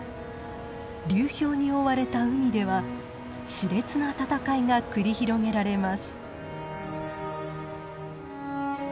流氷に覆われた海ではしれつな戦いが繰り広げられます。